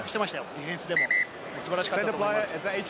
ディフェンスでも素晴らしかったと思います。